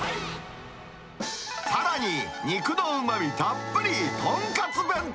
さらに、肉のうまみたっぷり、とんかつ弁当。